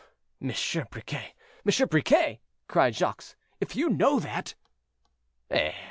'" "Monsieur Briquet! Monsieur Briquet!" cried Jacques, "if you know that—" "Eh!